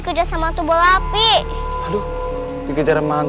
kita dikejar dan